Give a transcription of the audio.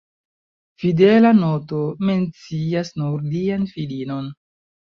Fidela noto mencias nur lian filinon.